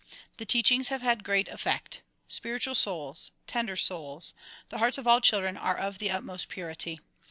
The teachings have had great effect. Spiritual souls ! Tender souls ! The hearts of all children are of the utmost purity.